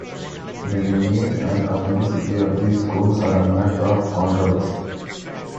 The lineage and authenticity of these schools are a matter of controversy.